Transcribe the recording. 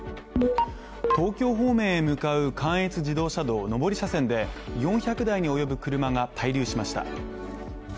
東京方面へ向かう関越自動車道上り車線で４００台に及ぶ車が滞留しました。